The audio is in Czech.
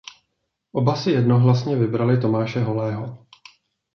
Oba si jednohlasně vybrali Tomáše Holého.